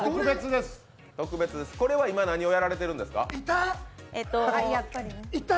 特別です、これは今、何をやられているんですか？